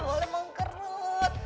gak boleh mengkerut